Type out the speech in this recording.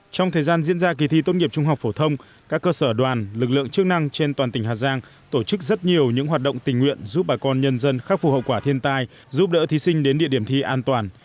trong thời gian diễn ra kỳ thi tốt nghiệp trung học phổ thông các cơ sở đoàn lực lượng chức năng trên toàn tỉnh hà giang tổ chức rất nhiều những hoạt động tình nguyện giúp bà con nhân dân khắc phục hậu quả thiên tai giúp đỡ thí sinh đến địa điểm thi an toàn